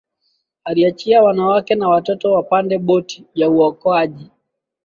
aliachia wanawake na watoto wapande boti ya uokoaji